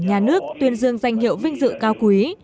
nhà nước tuyên dương danh hiệu vinh dự cao quý